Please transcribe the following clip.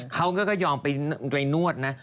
เขาก็ยอมไปนวดนะ